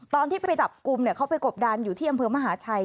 ตอนที่ไปจับกลุ่มเขาไปกบดันอยู่ที่อำเภอมหาชัย